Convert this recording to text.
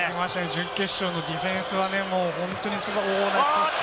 準決勝のディフェンスは本当にすごかったです。